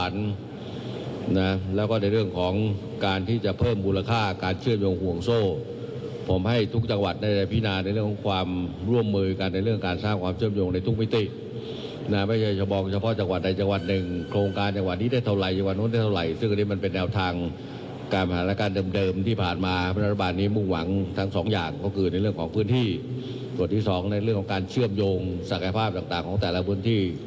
ในเรื่องของการเชื่อมโยงศักดิ์ภาพต่างของแต่ละบุตรที่